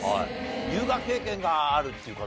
留学経験があるっていう方。